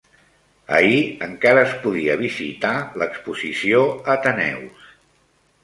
Ahir encara es podia visitar l'exposició Ateneus.